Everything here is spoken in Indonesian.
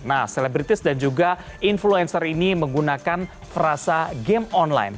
nah selebritis dan juga influencer ini menggunakan frasa game online